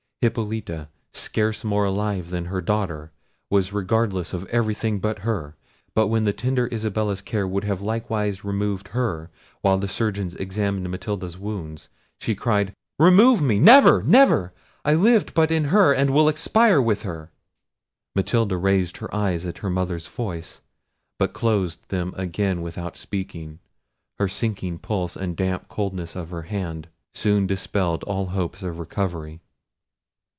Hippolita, scarce more alive than her daughter, was regardless of everything but her; but when the tender Isabella's care would have likewise removed her, while the surgeons examined Matilda's wound, she cried, "Remove me! never, never! I lived but in her, and will expire with her." Matilda raised her eyes at her mother's voice, but closed them again without speaking. Her sinking pulse and the damp coldness of her hand soon dispelled all hopes of recovery.